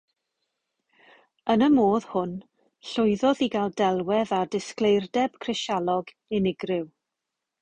Yn y modd hwn llwyddodd i gael delwedd â disgleirdeb crisialog unigryw.